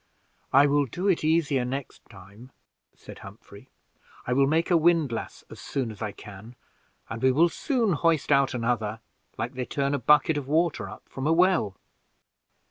"I will do it easier next time," said Humphrey. "I will make a windlass as soon as I can, and we will soon hoist out another, like they turn a bucket of water up from a well."